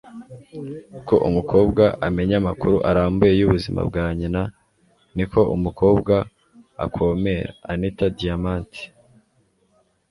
uko umukobwa amenya amakuru arambuye y'ubuzima bwa nyina, ni ko umukobwa akomera - anita diamant